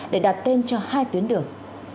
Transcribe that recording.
để đặt tên cho hai tuyến đường